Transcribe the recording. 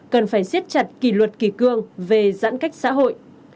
cần phải xiết chặt kỷ luật kỷ cương về giãn cách xã hội